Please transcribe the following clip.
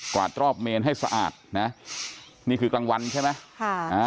วาดรอบเมนให้สะอาดนะนี่คือกลางวันใช่ไหมค่ะอ่า